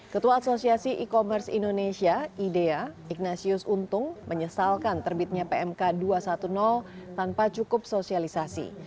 ketua asosiasi e commerce indonesia idea ignatius untung menyesalkan terbitnya pmk dua ratus sepuluh tanpa cukup sosialisasi